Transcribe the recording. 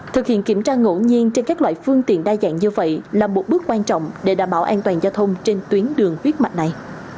thực hiện kiểm tra ngẫu nhiên trên các loại phương tiện đa dạng như vậy là một bước quan trọng để đảm bảo an toàn giao thông trên tuyến đường huyết mạch này